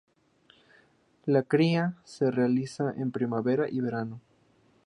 La cría se realiza en primavera y verano.